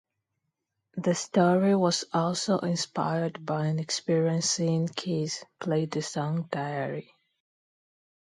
The story was also inspired by an experience seeing Keys play the song Diary.